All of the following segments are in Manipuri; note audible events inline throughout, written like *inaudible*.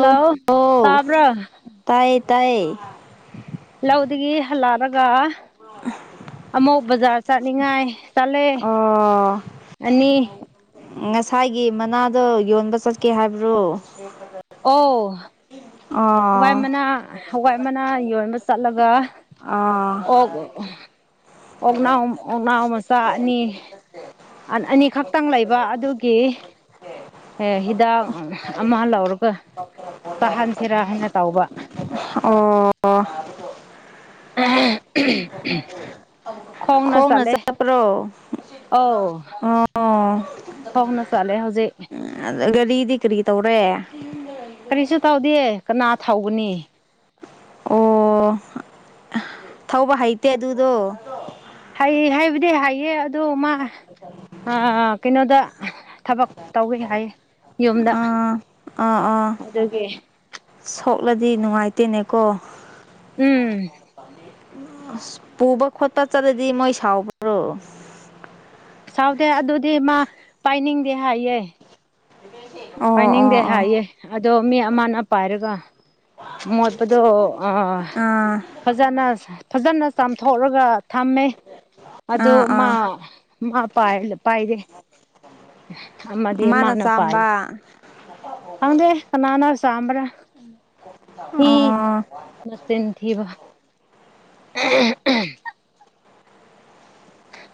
ꯑꯣ ꯇꯥꯕ꯭ꯔ ꯇꯥꯏ ꯂꯧꯗꯒꯤ ꯍꯜꯂꯛꯔꯒ ꯑꯃꯨꯛ ꯕꯖꯥꯔ ꯆꯠꯅꯤꯡꯉꯥꯏ ꯆꯂꯦ ꯑꯣ ꯑꯅꯤ ꯉꯁꯥꯏꯒꯤ ꯃꯅꯥꯗꯣ ꯌꯣꯟꯕ ꯆꯠꯀꯦ ꯍꯥꯏꯕ꯭ꯔꯣ ꯑꯣ ꯍꯋꯥꯏ ꯑꯣ ꯃꯅꯥ ꯍꯋꯥꯏ ꯃꯅꯥ ꯌꯣꯟꯕ ꯆꯠꯂꯒ ꯑꯥ ꯑꯣꯛ ꯑꯣꯛꯅꯥꯎ ꯑꯣꯛꯅꯥꯎ ꯃꯆꯥ ꯑꯅꯤ ꯑꯥꯟ ꯑꯅꯤꯈꯛꯇꯪ ꯂꯩꯕ ꯑꯗꯨꯒꯤ ꯑꯦ ꯍꯤꯗꯥꯛ ꯑꯃ ꯂꯧꯔꯒ ꯄꯥꯍꯟꯁꯤꯔ ꯍꯥꯏꯅ ꯇꯧꯕ ꯑꯣ *unintelligible* ꯈꯣꯡꯅ ꯆꯠꯄ꯭ꯔꯣ ꯑꯧ ꯑꯣ ꯈꯣꯡꯅ ꯆꯠꯂꯦ ꯍꯧꯖꯤꯛ ꯒꯥꯔꯤꯗꯤ ꯀꯔꯤ ꯇꯧꯔꯦ ꯀꯔꯤꯁꯨ ꯇꯧꯗꯤꯌꯦ ꯀꯅꯥ ꯊꯧꯒꯅꯤ ꯑꯣ ꯊꯧꯕ ꯍꯩꯇꯦ ꯑꯗꯨꯗꯣ ꯍꯩ ꯍꯩꯕꯗꯤ ꯍꯩꯌꯦ ꯑꯗꯣ ꯃꯥ ꯑ ꯀꯩꯅꯣꯗ ꯊꯕꯛ ꯇꯧꯋꯦ ꯍꯥꯏꯌꯦ ꯌꯨꯝꯗ ꯑꯥ ꯑꯥ ꯑꯗꯨꯒꯤ ꯂꯗꯤ ꯅꯨꯡꯉꯥꯏꯇꯦꯅꯦꯀꯣ ꯎꯝ ꯄꯨꯕ ꯈꯣꯠꯄ ꯆꯠꯂꯗꯤ ꯃꯣꯏ ꯁꯥꯎꯕ꯭ꯔꯣ ꯁꯥꯎꯗꯦ ꯑꯗꯨꯗꯤ ꯃꯥ ꯄꯥꯏꯅꯤꯡꯗꯦ ꯍꯥꯏꯌꯦ ꯑꯣ ꯑꯣ ꯄꯥꯏꯅꯤꯡꯗꯦ ꯑꯣ ꯍꯥꯏꯌꯦ ꯑꯗꯣ ꯃꯤ ꯑꯃꯅ ꯄꯥꯏꯔꯒ ꯃꯣꯠꯄꯗꯣ ꯑ ꯑꯥ ꯐꯖꯅ ꯐꯖꯅ ꯆꯥꯝꯊꯣꯛꯔꯒ ꯊꯝꯃꯦ ꯑꯥ ꯑꯗꫭ ꯃꯥ ꯑꯥ ꯃꯥ ꯄꯥꯢ ꯄꯥꯏꯗꯦ ꯑꯃꯗꯤ ꯃꯥꯅ ꯄꯥꯏꯌꯦ ꯈꯪꯗꯦ ꯀꯅꯥꯅ ꯆꯥꯝꯕ꯭ꯔ ꯍꯤ ꯑꯣ ꯅꯠꯇꯦ ꯊꯤꯕ *unintelligible*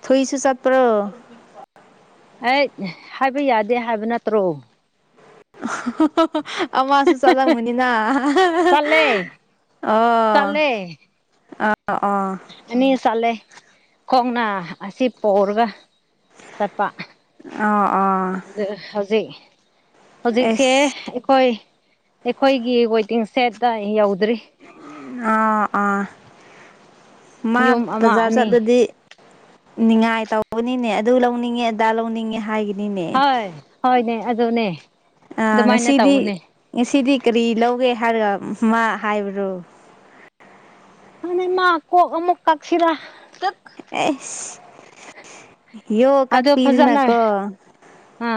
ꯊꯣꯏꯁꯨ ꯆꯠꯄ꯭ꯔꯣ ꯍꯩꯠ ꯍꯥꯏꯕ ꯌꯥꯗꯦ ꯍꯥꯏꯕ ꯅꯠꯇ꯭ꯔꯣ *unintelligible* ꯑꯃꯁꯨ ꯆꯠꯂꯝꯒꯅꯤꯅ ꯆꯠꯂꯦ *unintelligible* ꯑꯣ ꯆꯠꯂꯦ ꯑ ꯑꯣ ꯑꯅꯤ ꯆꯠꯂꯦ ꯈꯣꯡꯅ ꯑꯁꯤ ꯄꯣꯔꯒ ꯇꯠꯄ ꯑꯣ ꯑꯣ ꯑꯗꯨ ꯍꯧꯖꯤꯛ ꯍꯧꯖꯤꯛꯁꯦ ꯑꯦꯁ ꯑꯩꯈꯣꯏ ꯑꯩꯈꯣꯏꯒꯤ ꯋꯦꯇꯤꯡ ꯁꯦꯠꯇ ꯌꯧꯗ꯭ꯔꯤ ꯑꯥ ꯑꯥ ꯃꯥ ꯌꯨꯝ ꯑꯃ ꯕꯖꯥꯔ ꯑꯅꯤ ꯆꯠꯂꯗꯤ ꯅꯤꯡꯉꯥꯏ ꯇꯧꯕꯅꯤꯅꯦ ꯑꯗꯨ ꯂꯧꯅꯤꯡꯉꯦ ꯑꯗꯥ ꯂꯧꯅꯤꯡꯉꯦ ꯍꯥꯏꯒꯤ ꯍꯣꯏ ꯍꯣꯏꯅꯦ ꯑꯗꯨꯅꯦ ꯑ ꯑꯗꯨꯃꯥꯏꯅ ꯉꯁꯤꯗꯤ ꯇꯧꯕꯅꯦ ꯉꯁꯤꯗꯤ ꯀꯔꯤ ꯂꯧꯒꯦ ꯍꯥꯏꯔꯒ ꯃꯥ ꯍꯥꯏꯕ꯭ꯔꯣ *unintelligible* ꯃꯥ ꯀꯣꯛ ꯑꯃꯨꯛ ꯀꯛꯁꯤꯔ ꯑꯦꯁ ꯌꯣ ꯀꯛꯄꯤꯗꯅꯀꯣ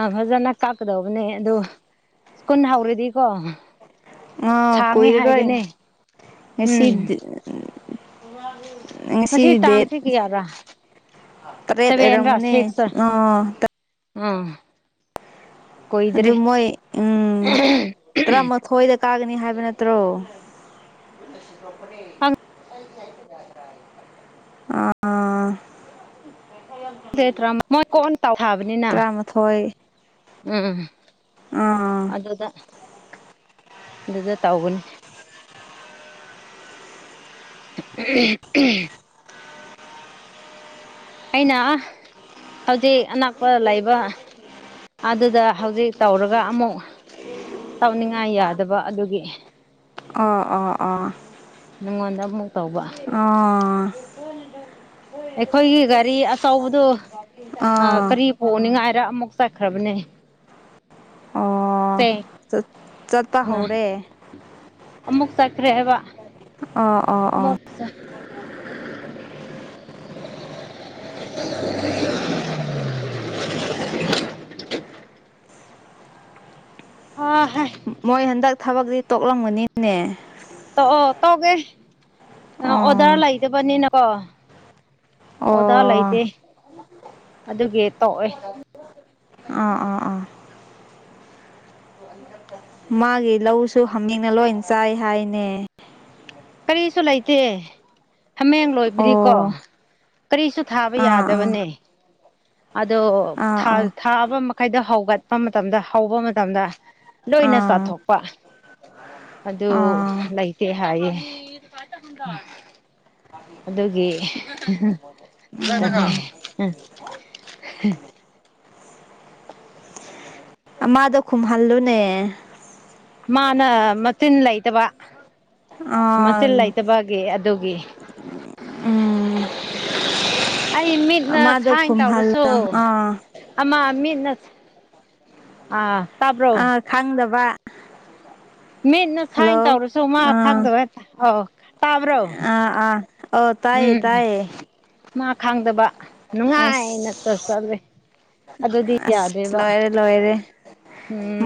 ꯑ ꯐꯖꯅ ꯀꯥꯞꯀꯗꯧꯕꯅꯦ ꯑꯗꯨ ꯁ꯭ꯀꯨꯟ ꯍꯧꯔꯗꯤꯀꯣ ꯑꯥ ꯁꯥꯡꯉꯦ ꯀꯨꯏꯔꯔꯣꯏ ꯍꯥꯏꯒꯅꯤ ꯉꯁꯤ ꯎꯝ ꯉꯁꯤ ꯇꯥꯡꯁꯤ ꯀꯌꯥꯔꯥ ꯇꯔꯦꯠ ꯁꯚꯦꯟꯔꯥ ꯑꯣꯏꯔꯝꯒꯅꯤ ꯁꯤꯛꯁꯔ *unintelligible* *unintelligible* ꯑꯗꯨ ꯃꯣꯏ ꯎꯝ ꯇꯔꯥꯃꯥꯊꯣꯏꯗ ꯀꯥꯒꯅꯤ ꯍꯥꯏꯕ ꯅꯠꯇ꯭ꯔꯣ ꯈꯪ ꯑꯥ ꯑꯥ *unintelligible* ꯃꯣꯏ ꯀꯣꯟ ꯇꯧ ꯈꯔꯥꯕꯅꯤꯅ ꯇꯔꯥꯃꯥꯊꯣꯏ ꯎꯝ ꯑꯥ ꯑꯗꯨꯗ ꯑꯗꯨꯗ ꯇꯧꯒꯅꯤ ꯑꯝꯍꯝ ꯑꯩꯅ ꯑꯥ ꯍꯧꯖꯤꯛ ꯑꯅꯛ ꯄꯔ ꯂꯩꯕ ꯑꯗꯨꯗ ꯍꯧꯖꯤꯛ ꯇꯧꯔꯒ ꯑꯃꯨꯛ ꯇꯧꯅꯤꯡꯉꯥꯏ ꯌꯥꯗꯕ ꯑꯗꯨꯒꯤ ꯑꯣ ꯑꯣ ꯑꯣ ꯅꯪꯉꯣꯟꯗ ꯑꯃꯨꯛ ꯇꯧꯕ ꯑꯣ ꯑꯩꯈꯣꯏꯒꯤ ꯒꯥꯔꯤ ꯑꯆꯧꯕꯗꯨ ꯑꯥ ꯀꯔꯤ ꯄꯨꯅꯤꯡꯉꯥꯏ ꯔ ꯑꯃꯨꯛ ꯆꯠꯈ꯭ꯔꯕꯅꯦ ꯑꯣ ꯆꯦꯡꯅ ꯆꯠ ꯆꯠꯄ ꯍꯧꯔꯦ ꯑꯃꯨꯛ ꯆꯠꯈ꯭ꯔꯦ ꯍꯥꯏꯕ ꯑꯣ ꯑꯣ ꯑꯣ ꯑꯃꯨꯛ ꯆꯠ *inaudible* *inaudible* ꯑ ꯍꯥꯏ ꯃꯣꯏ ꯍꯟꯗꯛ ꯊꯕꯛꯁꯤ ꯇꯣꯛꯂꯝꯒꯅꯤꯅꯦ ꯇꯣꯑꯣ ꯇꯣꯛꯑꯦꯑꯣꯗꯔ ꯑꯣ ꯂꯩꯇꯕꯅꯤꯅꯀꯣ ꯑꯣ ꯑꯣꯗꯥꯥ ꯂꯩꯇꯦ ꯑꯗꯨꯒꯤ ꯇꯣꯛꯑꯦ ꯑꯥ ꯑꯥ ꯑꯥ ꯃꯥꯒꯤ ꯂꯧꯁꯨ ꯍꯥꯃꯦꯡꯅ ꯂꯣꯏ ꯆꯥꯏ ꯍꯥꯏꯅꯦ ꯀꯔꯤꯁꯨ ꯂꯩꯇꯦ ꯍꯥꯃꯦꯡ ꯂꯣꯏꯕꯗꯤꯀꯣ ꯑꯣ ꯀꯔꯤꯁꯨ ꯊꯥꯕ ꯑꯥ ꯑꯥ ꯌꯥꯗꯕꯅꯦ ꯑꯗꯣ ꯑꯥ ꯊꯥ ꯊꯥꯕ ꯃ ꯍꯥꯏꯗꯣ ꯍꯧꯒꯠꯄ ꯃꯇꯝꯗ ꯍꯧꯕ ꯃꯇꯝꯗ ꯑꯥ ꯂꯣꯏꯅ ꯆꯥꯊꯣꯛꯄ ꯑꯗꯨ ꯑꯥ ꯑꯥ ꯂꯩꯇꯦ ꯍꯥꯏꯌꯦ ꯑꯗꯨꯒꯤ ꯎꯝ *unintelligible* *unintelligible* ꯑꯃꯗ ꯈꯨꯝꯍꯜꯂꯨꯅꯦ ꯃꯥꯅ ꯃꯆꯤꯟ ꯂꯩꯇꯕ ꯑꯥ ꯃꯆꯤꯟ ꯂꯩꯇꯕꯒꯤ ꯑꯗꯨꯒꯤ ꯎꯝ ꯑꯩ ꯃꯤꯠꯅ ꯑꯃꯗꯣ ꯁꯥꯏꯟ ꯈꯨꯝꯍꯜꯂꯣ ꯇꯧꯔꯁꯨ ꯑꯥ ꯑꯃ ꯃꯤꯠꯅ ꯑꯥ ꯇꯥꯕ꯭ꯔꯣ ꯑꯥ ꯈꯪꯗꯕ ꯃꯤꯠꯅ ꯁꯥꯏꯟ ꯍꯜꯂꯣ ꯇꯧꯔꯁꯨ ꯃꯥ ꯑꯥ ꯈꯪꯗꯕꯍꯦꯛꯇ ꯑꯧ ꯇꯥꯕ꯭ꯔꯣ ꯑꯥ ꯑꯥ ꯑꯣ ꯇꯥꯏꯌꯦ ꯎꯝ ꯇꯥꯏꯌꯦ ꯃꯥ ꯈꯥꯡꯗꯕ ꯅꯨꯡꯉꯥꯏꯅ ꯆ ꯑꯁ ꯆꯠꯂ꯭ꯔꯦ ꯑꯗꯨꯗꯤ ꯑꯁ ꯌꯥꯗꯦꯕ ꯂꯣꯏꯔꯦ ꯂꯣꯏꯔꯦ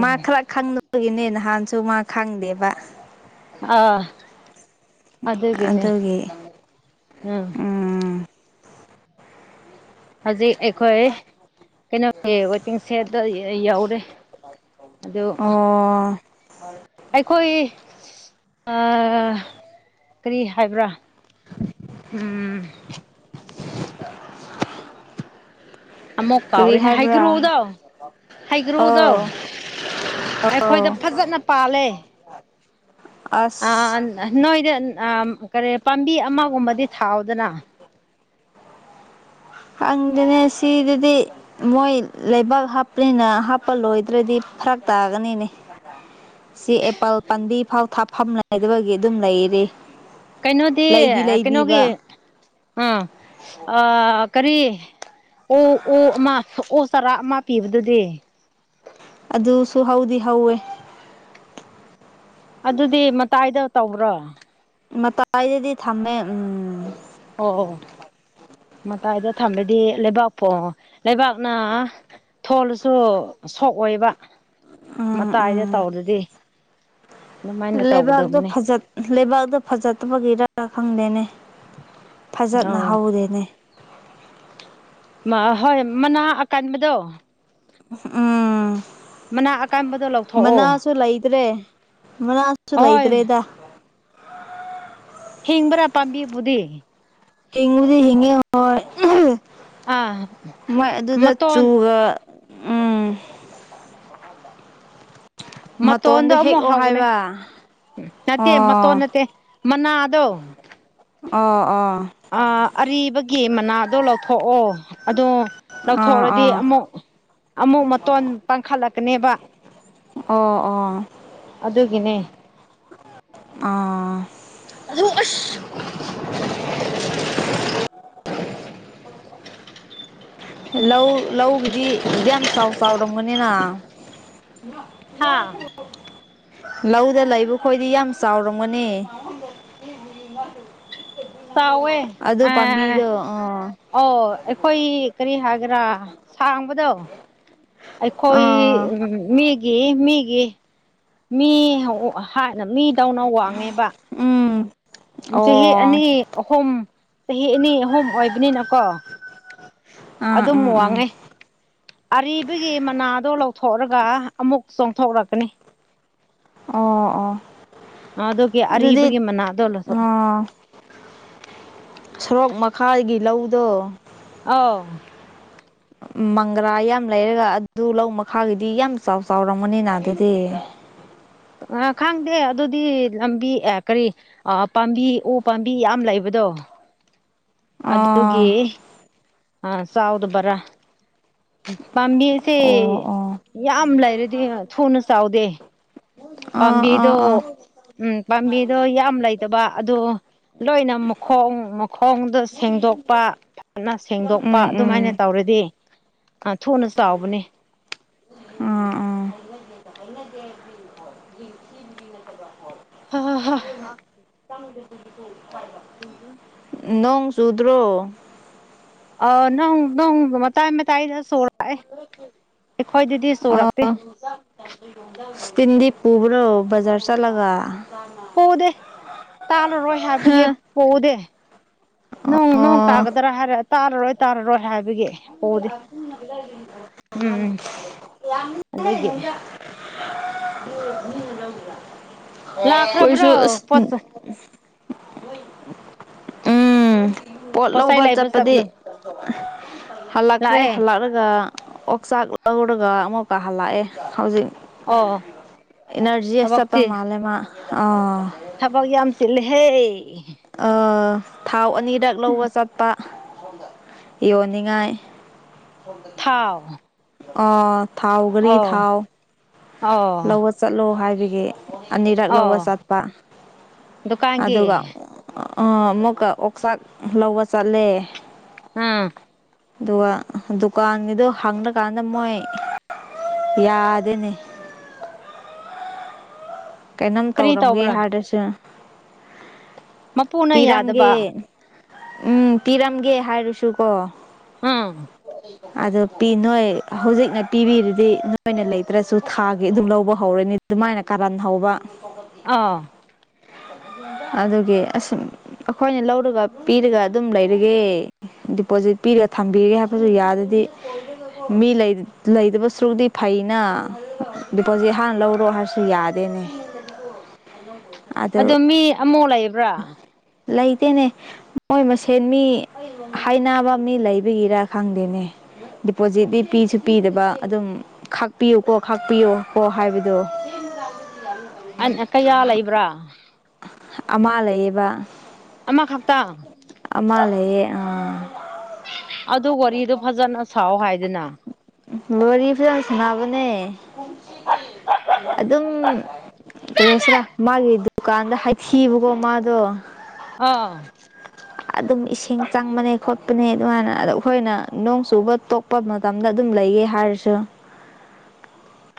ꯃꯥ ꯈꯔ ꯈꯪꯗꯕꯒꯤꯅꯦ ꯅ ꯅꯍꯥꯟꯁꯨ ꯃꯥ ꯈꯪꯗꯦꯕ ꯑꯥ ꯑꯗꯨꯒꯤꯅꯦ ꯑꯗꯨꯒꯤ ꯎꯝ ꯎꯝ ꯍꯧꯖꯤꯛ ꯑꯩꯈꯣꯏ ꯀꯩꯅꯣꯒꯤ ꯋꯦꯇꯤꯡ ꯁꯦꯠꯇꯣ ꯌꯥꯎꯔꯦ ꯑꯣ ꯑꯩꯈꯣꯏ ꯑꯥ ꯀꯔꯤ ꯍꯥꯏꯕ꯭ꯔꯥ ꯎꯝ ꯑꯃꯨꯛ ꯀꯔꯤ ꯀꯥꯎꯔꯦ ꯍꯥꯏꯕ꯭ꯔꯥ ꯍꯩꯒ꯭ꯔꯨꯗꯣ ꯍꯩꯒ꯭ꯔꯨꯗꯣ ꯑꯣ ꯑꯣ ꯑꯩꯈꯣꯏꯗ ꯐꯖꯅ ꯄꯥꯜꯂꯦ ꯑꯁ ꯑꯥꯞ ꯅꯣꯏꯗ ꯅꯥ ꯑꯝ ꯀꯔꯤ ꯄꯥꯝꯕꯤ ꯑꯃꯒꯨꯝꯕꯗꯤ ꯊꯥꯎꯗꯅ ꯈꯪꯗꯦꯅꯦ ꯁꯤꯗꯗꯤ ꯃꯣꯏ ꯂꯩꯕꯥꯛ ꯍꯥꯞꯄꯅꯤꯅ ꯍꯥꯞꯄ ꯂꯣꯏꯗ꯭ꯔꯗꯤ ꯐꯔꯛ ꯇꯥꯒꯅꯤꯅꯦ ꯁꯤ ꯑꯦꯄꯜ ꯄꯥꯝꯕꯤ ꯐꯥꯎ ꯊꯥꯐꯝ ꯂꯩꯇꯕꯒꯤ ꯑꯗꯨꯝ ꯂꯩꯔꯤ ꯀꯩꯅꯣꯗꯤ ꯂꯩꯗꯤ ꯑꯥ ꯂꯩꯕꯤꯕ ꯀꯩꯅꯣꯒꯤ ꯑꯥ ꯑꯥ ꯀꯔꯤ ꯑꯣ ꯑꯣ ꯑꯃ ꯎ ꯆꯔꯥ ꯑꯃ ꯄꯤꯕꯗꯨꯗꯤ ꯑꯗꯨꯁꯨ ꯍꯧꯗꯤ ꯍꯧꯋꯦ ꯑꯗꯨꯗꯤ ꯃꯇꯥꯏꯗ ꯇꯧꯕ꯭ꯔꯣ ꯃꯇꯥꯏꯗꯗꯤ ꯊꯝꯃꯦ ꯎꯝ ꯑꯣ ꯃꯗꯥꯏꯗ ꯊꯝꯕꯗꯤ ꯂꯩꯕꯥꯛꯄꯣ ꯂꯩꯕꯥꯛꯅ ꯊꯣꯜꯂꯁꯨ ꯁꯣꯛꯑꯣꯏꯕ ꯎꯝ ꯃꯇꯥꯏꯗ ꯎꯝ ꯇꯧꯔꯗꯤ ꯑꯗꯨꯃꯥꯏꯅ ꯂꯩꯕꯥꯛꯇꯣ ꯇꯧꯒꯗꯕꯅꯤ ꯐꯖ ꯂꯩꯕꯥꯛꯇꯣ ꯐꯖꯠꯇꯕꯒꯤꯔ ꯈꯪꯗꯦꯅꯦ ꯐꯖꯅ ꯑꯧ ꯍꯧꯗꯦꯅꯦ ꯍꯣꯏ ꯃꯅꯥ ꯑꯀꯟꯕꯗꯣ ꯎꯝ ꯃꯅꯥ ꯑꯀꯟꯕꯗꯣ ꯂꯧꯊꯣꯛꯑꯣ ꯃꯅꯥꯁꯨ ꯂꯩꯇ꯭ꯔꯦ ꯃꯅꯥꯁꯨ ꯑꯍꯣꯏ ꯂꯩꯗꯔꯦꯗ ꯍꯤꯡꯕ꯭ꯔꯥ ꯄꯥꯝꯕꯤꯕꯨꯗꯤ ꯍꯤꯉꯕꯨꯗꯤ ꯍꯤꯉꯦ ꯍꯣꯏ ꯑꯍꯝ ꯑꯥ ꯃꯣꯏ ꯑꯗꯨꯗ ꯃꯇꯣꯟ ꯆꯨꯒ ꯎꯝ ꯃꯇꯣꯟꯗꯣ ꯑꯃꯨꯛ ꯍꯦꯛꯑꯣ ꯍꯥꯎꯒꯅꯤ ꯍꯥꯏꯕ ꯅꯠꯇꯦ ꯃꯇꯣꯟ ꯑꯣ ꯅꯠꯇꯦ ꯃꯅꯥ ꯑꯣ ꯑꯣ ꯑꯗꯣꯑꯥ ꯑꯔꯤꯕꯒꯤ ꯃꯅꯥꯗꯣ ꯂꯧꯊꯣꯛꯑꯣ ꯑꯗꯣ ꯂꯧꯊꯣꯛꯑꯗꯤ ꯑꯥ ꯑꯥ ꯑꯃꯨꯛ ꯑꯃꯨꯛ ꯃꯇꯣꯟ ꯄꯥꯡꯈꯠꯂꯛꯀꯅꯦꯕ ꯑꯣ ꯑꯣ ꯑꯗꯨꯒꯤꯅꯦ ꯑꯥ ꯑꯗꯨ ꯑꯁ ꯂꯧ ꯂꯧꯒꯤꯗꯤ ꯌꯥꯝ ꯌꯥꯝ ꯆꯥꯎ ꯆꯥꯎꯔꯝꯒꯅꯤꯅ ꯅꯣꯏ ꯍꯥ ꯂꯧꯗ ꯂꯩꯕ ꯈꯣꯏꯗꯤ ꯌꯥꯝ ꯆꯥꯎꯔꯝꯒꯅꯤ ꯆꯥꯎꯋꯦ ꯑꯗꯨ ꯄꯥꯝꯕꯤꯗꯣ ꯑꯥ ꯑꯣ ꯑꯩꯈꯣꯏ ꯑꯥ ꯀꯔꯤ ꯍꯥꯏ ꯒꯦꯔꯥ ꯁꯥꯡꯕꯗꯣ ꯑꯩꯈꯣꯏ ꯑꯥ ꯃꯤ ꯃꯤꯒꯤ ꯃꯤꯒꯤ ꯃꯤꯅ ꯃꯤꯗꯧꯅ ꯋꯥꯡꯉꯦꯕ ꯎꯝ ꯆꯍꯤ ꯑꯣ ꯑꯅꯤ ꯑꯍꯨꯝ ꯆꯍꯤ ꯑꯅꯤ ꯑꯍꯨꯝ ꯑꯣꯏꯕꯅꯤꯅꯀꯣ ꯎꯝ ꯑꯗꯨꯝ ꯎꯝ ꯎꯝ ꯋꯥꯡꯉꯦ ꯑꯔꯤꯕꯒꯤ ꯃꯅꯥꯗꯣ ꯂꯧꯊꯣꯛꯑꯒ ꯑꯃꯨꯛ ꯆꯣꯡꯊꯣꯛꯂꯛꯀꯅꯤ ꯑꯣ ꯑꯣ ꯑꯗꯨꯒꯤ ꯑꯗꯨꯗꯤ ꯑꯔꯤꯕꯒꯤ ꯃꯅꯥꯗꯣ ꯂꯧꯊꯣꯛ ꯑꯥ ꯁꯣꯔꯣꯛ ꯃꯈꯥꯒꯤ ꯂꯧꯗꯣ ꯑꯧ ꯃꯪꯒ꯭ꯔꯥ ꯌꯥꯝ ꯂꯩꯔꯒ ꯑꯗꯨ ꯂꯧ ꯃꯈꯥꯒꯤꯗꯤ ꯌꯥꯝ ꯆꯥꯎ ꯆꯥꯎꯔꯝꯃꯅꯤꯅ ꯑꯗꯨꯗꯤ *unintelligible* ꯑ ꯈꯪꯗꯦ ꯑꯗꯨꯗꯤ ꯂꯝꯕꯤ ꯑ ꯀꯔꯤꯑꯥ ꯄꯥꯝꯕꯤ ꯎ ꯄꯥꯝꯕꯤ ꯌꯥꯝ ꯂꯩꯕ ꯗꯣ ꯑꯗꯨꯒꯤ ꯑꯥ ꯑꯥ ꯆꯥꯎꯥꯗꯕꯔꯥ ꯄꯥꯝꯕꯤꯁꯦ ꯑꯣ ꯑꯣ ꯌꯥꯝ ꯂꯩꯔꯗꯤ ꯊꯨꯅ ꯆꯥꯎꯗꯦ ꯑꯥ ꯑꯥ ꯄꯥꯝꯕꯤꯗꯣ ꯑꯥ ꯎꯝ ꯄꯥꯝꯕꯤꯗꯣ ꯌꯥꯝ ꯂꯩꯇꯕ ꯑꯗꯣ ꯂꯣꯏꯅ ꯃꯈꯣꯡ ꯃꯈꯣꯡꯗꯣ ꯁꯦꯡꯗꯣꯛꯄ ꯐꯖꯅ ꯁꯦꯡꯗꯣꯛꯄ ꯎꯝ ꯎꯝ ꯑꯗꯨꯃꯥꯏꯅ ꯇꯧꯔꯗꯤ ꯑꯥ ꯊꯨꯅ ꯆꯥꯎꯕꯅꯦ ꯑꯥ ꯑꯥ *unintelligible* ꯍ ꯍꯥ *unintelligible* *inaudible* ꯅꯣꯡ ꯆꯨꯗ꯭ꯔꯣ ꯑ ꯅꯣꯡ ꯅꯣꯡ ꯃꯇꯥꯏ ꯃꯇꯥꯏꯗ ꯆꯨꯔꯛꯑꯦ ꯑꯩꯈꯣꯏꯗꯗꯤ ꯆꯨꯔꯛꯇꯦ ꯑꯣ ꯇꯤꯟꯗꯤ ꯄꯨꯕ꯭ꯔꯣ ꯕꯖꯥꯔ ꯆꯠꯂꯒ ꯄꯨꯗꯦ ꯇꯥꯔꯥꯔꯣꯢ ꯍꯥꯏꯕꯒꯤ ꯄꯨꯗꯦ ꯅꯣꯡ ꯅꯣꯡ ꯑꯣ ꯇꯥꯒꯗ꯭ꯔꯥ ꯍꯥꯏꯔꯒ ꯇꯥꯔꯔꯣꯏ ꯇꯥꯔꯔꯣꯏ ꯍꯥꯏꯕ ꯎꯝ ꯑꯗꯨꯒꯤ *unintelligible* *unintelligible* ꯀꯣꯏꯁꯨ ꯂꯥꯛꯈ꯭ꯔꯕ꯭ꯔꯣ ꯄꯣꯠꯆꯩ ꯎꯝ ꯄꯣꯠ ꯂꯧꯕ ꯂꯩꯕ ꯆꯠꯄꯗꯤ ꯆꯠꯄꯗꯣ ꯍꯜꯂꯛꯈ꯭ꯔꯦ ꯂꯥꯛꯑꯦ ꯍꯜꯂꯛꯔꯒ ꯑꯣꯛꯆꯥꯛ ꯂꯧꯔꯒ ꯑꯃꯨꯛꯀ ꯍꯜꯂꯛꯑꯦ ꯍꯧꯖꯤꯛ ꯑꯣ ꯏꯅꯔꯖꯤ ꯑꯁ ꯆꯠꯄ ꯊꯕꯛꯁꯤ ꯃꯟꯂꯦ ꯃ ꯑꯥ ꯊꯕꯛ ꯌꯥꯝ ꯆꯤꯟꯂꯦ ꯍꯦ ꯑ ꯊꯥꯎ ꯑꯅꯤꯔꯛ ꯂꯧꯕ ꯆꯠꯄ ꯌꯣꯅꯤꯡꯉꯥꯏ ꯊꯥꯎ ꯑ ꯊꯥꯎ ꯘꯔꯤ ꯑꯣ ꯊꯥꯎ ꯑꯣ ꯂꯧꯕ ꯆꯠꯂꯣ ꯍꯥꯏꯕꯒꯤ ꯑꯅꯤꯔꯛ ꯂꯧꯕ ꯑꯣ ꯆꯠꯄ ꯗꯨꯀꯥꯟꯒꯤ ꯑꯗꯨꯒ ꯑꯥ ꯑꯃꯨꯛꯀ ꯑꯣꯛꯆꯥꯛ ꯂꯧꯕ ꯆꯠꯂꯦ ꯎꯝ ꯗꯨꯒ ꯗꯨꯀꯥꯟꯒꯤꯗꯣ ꯍꯪꯔꯛ ꯀꯥꯟꯗ ꯃꯣꯏ ꯌꯥꯗꯦꯅꯦ ꯀꯩꯅꯣꯝ ꯀꯔꯤ ꯇꯧꯔꯝꯒꯦ ꯇꯧꯕ꯭ꯔꯥ ꯍꯥꯏꯔꯁꯨ ꯃꯄꯨꯅ ꯌꯥꯗꯕ ꯄꯤꯔꯝꯒꯦ ꯎꯝ ꯄꯤꯔꯝꯒꯦ ꯍꯥꯏꯔꯁꯨ ꯀꯣ ꯎꯝ ꯑꯗꯨ ꯄꯤ ꯅꯣꯏ ꯍꯧꯖꯤꯛꯅ ꯄꯤꯕꯤꯔꯤꯗꯤ ꯅꯣꯏꯅ ꯂꯩꯇ꯭ꯔꯁꯨ ꯊꯥꯒꯤ ꯑꯗꯨꯝ ꯂꯧꯕ ꯍꯧꯔꯅꯤ ꯑꯗꯨꯃꯥꯏꯅ ꯀꯔꯥꯟ ꯍꯧ ꯑ ꯑꯗꯨꯒꯤ ꯑꯁꯨꯃ ꯑꯩꯈꯣꯏꯅ ꯂꯧꯔꯒ ꯄꯤꯔꯒ ꯑꯗꯨꯝ ꯂꯩꯔꯒꯦ ꯗꯤꯄꯣꯖꯤꯠ ꯄꯤꯔꯒ ꯊꯝꯕꯤꯔꯦ ꯍꯥꯏꯕꯁꯨ ꯌꯥꯗꯗꯤ ꯃꯤ ꯂꯩꯇꯕ ꯁꯔꯨꯗꯤ ꯐꯩꯗꯅ ꯗꯤꯄꯣꯖꯤꯠ ꯍꯥꯟꯅ ꯂꯧꯔꯣ ꯍꯥꯏꯔꯁꯨ ꯌꯥꯗꯦꯅꯦ ꯑꯗꯨ ꯑꯗꯣ ꯃꯤ ꯑꯃꯨꯛ ꯂꯩꯕ꯭ꯔꯥ ꯂꯩꯇꯦꯅꯦ ꯃꯣꯏ ꯃꯁꯦꯟ ꯃꯤ ꯍꯥꯏꯅꯕ ꯃꯤ ꯂꯩꯕꯒꯤꯔꯥ ꯈꯪꯗꯦꯅꯦ ꯗꯤꯄꯣꯖꯤꯠꯇꯤ ꯄꯤꯁꯨ ꯄꯤꯗꯕ ꯑꯗꯨꯝ ꯈꯥꯛꯄꯤꯌꯨꯀꯣ ꯈꯥꯛꯄꯤꯌꯨ ꯀꯣ ꯍꯥꯏꯕꯗꯣ *unintelligible* ꯑ ꯀꯌꯥ ꯂꯩꯕ꯭ꯔꯥ ꯑꯃꯥ ꯂꯩꯌꯦꯕ ꯑꯃꯈꯛꯇꯪ ꯑꯃ ꯂꯩꯌꯦ ꯑꯥ ꯑꯗꯨ ꯋꯥꯔꯤꯗꯣ ꯐꯖꯅ ꯁꯥꯎ ꯍꯥꯏꯗꯅ ꯋꯥꯔꯤ ꯐꯖꯅ ꯁꯅꯕꯅꯦ ꯑꯗꯨꯝ ꯀꯔꯤ ꯍꯥꯏꯁꯤꯔꯥ ꯃꯥꯒꯤ ꯗꯨꯀꯥꯟꯗ ꯍꯥꯏꯊꯤꯕꯀꯣ ꯃꯥꯗꯣ ꯑꯥ ꯑꯗꯨꯝ ꯏꯁꯤꯡ ꯆꯪꯕꯅꯦ ꯈꯣꯠꯄ ꯄꯅꯦ ꯑꯗꯨꯃꯥꯏꯅ ꯑꯗꯣ ꯑꯩꯈꯣꯏꯅ ꯅꯣꯡ ꯆꯨꯕ ꯇꯣꯛꯄ ꯃꯇꯝꯗ ꯑꯗꯨꯝ ꯂꯩꯌꯦ ꯍꯥꯏꯔꯁꯨ *unintelligible*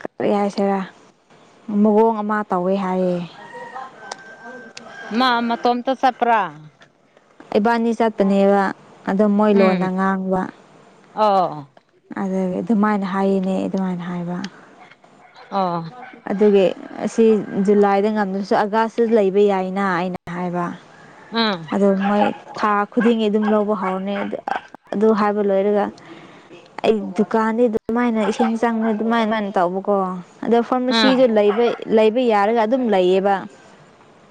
ꯀꯔꯤ ꯍꯥꯏꯁꯤꯔ ꯃꯑꯣꯡ ꯑꯃ ꯇꯧꯋꯦ ꯍꯥꯏꯌꯦ *unintelligible* ꯃꯥ ꯃꯥꯇꯣꯝ ꯇ ꯆꯠꯄ꯭ꯔꯥ ꯏꯕꯥꯅꯤ ꯆꯠꯄꯅꯦꯕ ꯑꯗꯨꯝ ꯃꯣꯏ ꯎꯝ ꯂꯣꯟꯅ ꯉꯥꯡꯕ ꯑꯣ ꯑꯗꯨꯗꯒꯤ ꯑꯗꯨꯃꯥꯏꯅ ꯍꯥꯏꯌꯦꯅꯦ ꯑꯗꯨꯃꯥꯏꯅ ꯍꯥꯏꯕ ꯑꯣ ꯑꯗꯨꯒꯤ ꯑꯁ ꯁꯤ ꯖꯨꯂꯥꯏꯗ ꯉꯝꯗ꯭ꯔꯁꯨ ꯑꯒꯁꯁꯤ ꯂꯩꯕ ꯌꯥꯏꯅ ꯑꯩꯅ ꯍꯥꯏꯕ ꯎꯝ ꯑꯗꯣ ꯃꯣꯏ ꯊꯥ ꯈꯨꯗꯤꯡꯒꯤꯗꯤ ꯑꯗꯨꯝ ꯂꯧꯕ ꯍꯧꯔꯅꯤ ꯑꯗꯨ ꯍꯥꯏꯕ ꯂꯣꯏꯔꯒ ꯑꯩ ꯗꯨꯀꯥꯟꯗꯤ ꯑꯗꯨꯃꯥꯏꯅ ꯏꯁꯤꯡ ꯆꯪꯕ ꯑꯗꯨꯃꯥꯏ ꯑꯗꯨꯃꯥꯏꯅ ꯇꯧꯕꯀꯣ ꯑꯗꯣ ꯎꯝ ꯐꯥꯔꯃꯥꯁꯤꯗ ꯂꯩꯕ ꯂꯩꯕ ꯌꯥꯔꯒ ꯑꯗꯨꯝ ꯂꯩꯌꯦꯕ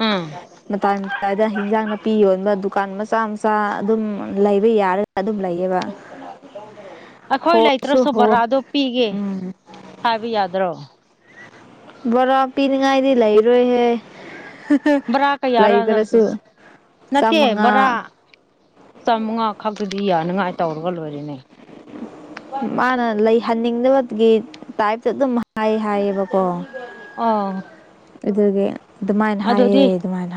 ꯎꯝ *unintelligible* ꯑꯗꯨꯏꯗ ꯍꯤꯟꯖꯥꯡ ꯅꯥꯄꯤ ꯌꯣꯟꯕ ꯗꯨꯀꯥꯟ ꯃꯆꯥ ꯃꯆꯥ ꯑꯗꯨꯝ ꯂꯩꯕ ꯌꯥꯔꯒ ꯑꯗꯨꯝ ꯂꯩꯌꯦꯕ *inaudible* ꯑꯩꯈꯣꯏ ꯍꯣꯁꯨ ꯂꯩꯇ꯭ꯔꯁꯨ ꯍꯣ ꯚꯔꯥꯗꯣ ꯄꯤꯒꯦ ꯍꯥꯏꯕ ꯌꯥꯗ꯭ꯔꯣ ꯚꯔꯥ ꯄꯤꯅꯉꯥꯏꯗꯤ ꯂꯩꯔꯣꯏꯍꯦ ꯚꯔꯥ ꯀꯌꯥꯔ ꯂꯩꯇ꯭ꯔꯁꯨ ꯅꯠꯇꯦ ꯆꯥꯝꯃꯉꯥ ꯚꯔꯥ ꯆꯥꯝꯃꯉꯥ ꯈꯛꯇꯗꯤ ꯌꯥꯅꯉꯥꯏ ꯇꯧꯔꯒ ꯂꯣꯏꯔꯅꯦ ꯃꯥꯅ ꯂꯩꯍꯟꯅꯤꯡꯗꯕꯒꯤ ꯇꯥꯏꯞꯇ ꯑꯗꯨꯝ ꯍꯥꯏ ꯍꯥꯏꯌꯦꯕ ꯑꯗꯨꯀꯣ ꯑꯣ ꯑꯗꯨꯒꯤ ꯑꯗꯨꯃꯥꯏꯅ ꯑꯗꯨꯗꯤ ꯍꯥꯏꯑꯦ ꯑꯗꯨꯃꯥꯏꯅ